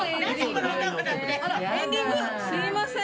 すいません。